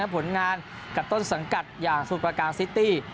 ผลงานกับต้นสังกัดอย่างสมุทรประการซิตี้